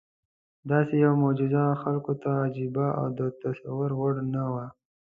دغسې یوه معجزه خلکو ته عجیبه او د تصور وړ نه وه.